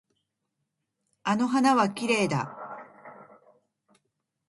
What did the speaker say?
あの花はきれいだ。